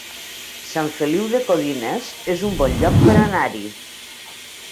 Sant Feliu de Codines es un bon lloc per anar-hi